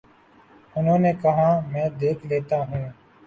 انہوں نے کہا: میں دیکھ لیتا ہوں۔